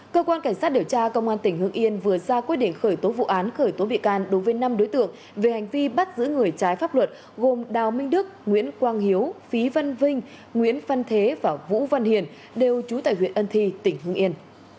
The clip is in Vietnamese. cơ quan cảnh sát điều tra công an tỉnh hương yên vừa ra quyết định khởi tố vụ án khởi tố bị can đối với năm đối tượng về hành vi bắt giữ người trái pháp luật gồm đào minh đức nguyễn quang hiếu phí văn vinh nguyễn phân thế và vũ văn hiền đều trú tại huyện ân thi tỉnh hưng yên